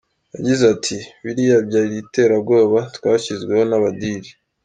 Yagize ati “Biriya byari iterabwoba twashyizweho n’aba-Dj”.